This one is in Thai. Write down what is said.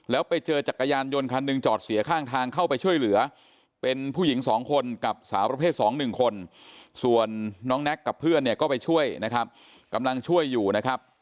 แล้วไปเจอจักรยานยนต์คันหนึ่งจอดเสียข้างทางเข้าไปช่วยเหลือเป็นผู้หญิง๒คนกับสาวประเภท๒๑คนส่วนน้องแน็กกับเพื่อนเนี่ยก็ไปช่วยนะครับกำลังช่วยอยู่นะครับ